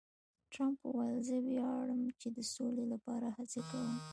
ټرمپ وویل، زه ویاړم چې د سولې لپاره هڅې کوم.